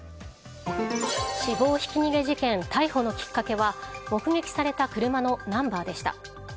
死亡ひき逃げ事件逮捕のきっかけは目撃された車のナンバーでした。